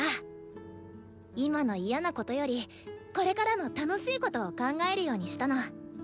今の嫌なことよりこれからの楽しいことを考えるようにしたの。